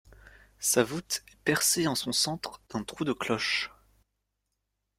Sa voûte est percée en son centre d'un trou de cloches.